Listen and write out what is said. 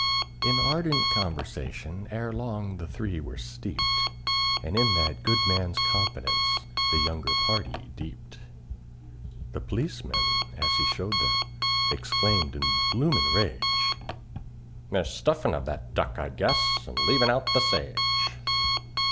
In ardent conversation ere long the three were steeped, And in that good man's confidence the younger party deeped. The p'liceman, as he shadowed them, exclaimed in blooming rage, "They're stuffin' of that duck, I guess, and leavin' out the sage."